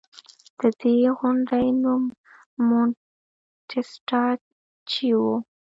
د دې غونډۍ نوم مونټ ټسټاچي و